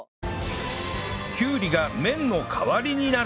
きゅうりが麺の代わりになる！？